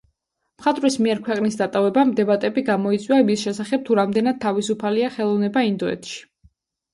მხატვრის მიერ ქვეყნის დატოვებამ დებატები გამოიწვია იმის შესახებ, თუ რამდენად თავისუფალია ხელოვნება ინდოეთში.